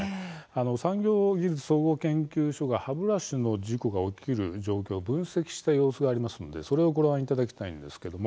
産業技術総合研究所が歯ブラシの事故が起きる状況を分析した様子がありますのでご覧いただきたいんです。